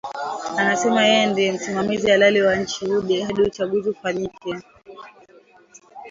Anasema yeye ndie msimamizi halali wa nchi hadi uchaguzi ufanyike